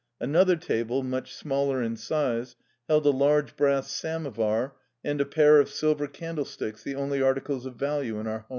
Another table, much smaller in size, held a large brass samovar and a pair of silver candlesticks, the only articles of value in our home.